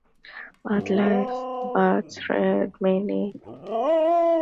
Wildlife includes dormice, red squirrels, a wide range of bats, and many invertebrates.